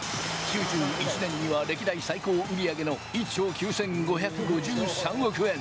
９１年には歴代最高売り上げの１兆９５５３億円。